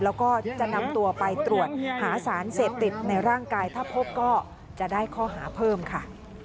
แล้วก็จะนำตัวไปตรวจหาสารเสพติดในร่างกายถ้าพบก็จะได้ข้อหาเพิ่มค่ะ